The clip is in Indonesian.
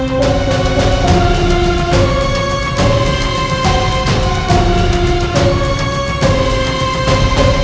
dan menemukan suatu tempat yang sangat menarik